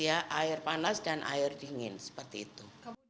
air panas dan air dingin seperti itu